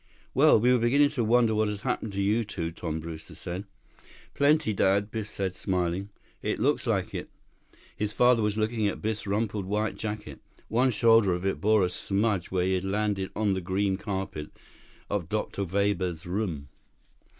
47 "Well, we were beginning to wonder what had happened to you two," Tom Brewster said. "Plenty, Dad," Biff said, smiling. "It looks like it." His father was looking at Biff's rumpled white jacket. One shoulder of it bore a smudge where he had landed on the green carpet of Dr. Weber's room.